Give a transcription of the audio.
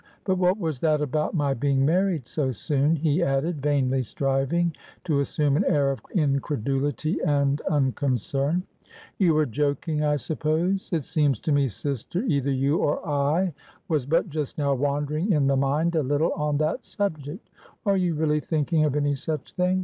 But what was that about my being married so soon?" he added, vainly striving to assume an air of incredulity and unconcern; "you were joking, I suppose; it seems to me, sister, either you or I was but just now wandering in the mind a little, on that subject. Are you really thinking of any such thing?